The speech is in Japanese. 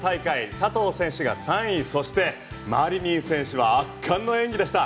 佐藤選手が３位、そしてマリニン選手は圧巻の演技でした。